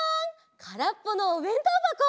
からっぽのおべんとうばこ！